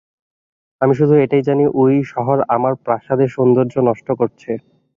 আমি শুধু এটাই জানি ওই শহর আমার প্রাসাদের সৌন্দর্য নষ্ট করছে।